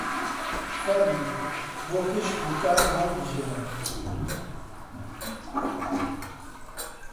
فەرموو بۆ پشت دووکان هەڵبژێرە!